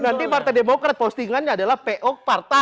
berarti partai demokrat postingannya adalah po partai